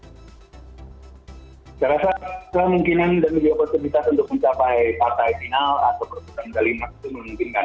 saya rasa kemungkinan dan juga posibilitas untuk mencapai partai final atau berputar ke lima itu memungkinkan